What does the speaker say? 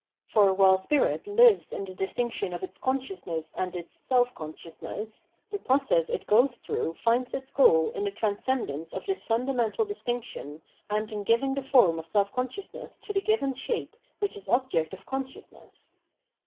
For while spirit lives in the distinction of its consciousness and its seK consciousness, the process it goes through finds its goal in the transcendence of this fimdamental distinction and in giving the form of self consciousness to the given shape which is object of consciousness.